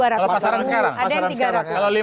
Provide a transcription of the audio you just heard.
kalau pasaran sekarang ada yang dua ratus ribu